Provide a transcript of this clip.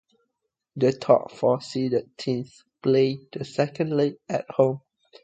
The top four seeded teams played the second leg at home.